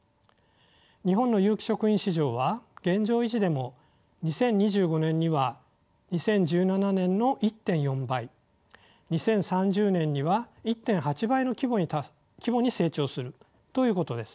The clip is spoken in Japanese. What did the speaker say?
日本の有機食品市場は現状維持でも２０２５年には２０１７年の１．４倍２０３０年には１．８倍の規模に成長するということです。